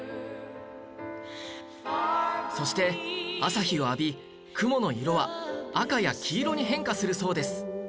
そして朝日を浴び雲の色は赤や黄色に変化するそうです